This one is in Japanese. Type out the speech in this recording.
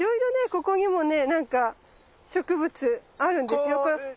ここにもね何か植物あるんですよ。